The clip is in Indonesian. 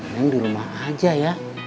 yang di rumah aja ya